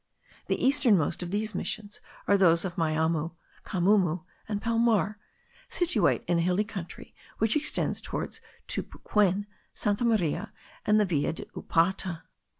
The easternmost of these missions are those of Miamu, Camamu, and Palmar, situate in a hilly country, which extends towards Tupuquen, Santa Maria, and the Villa de Upata.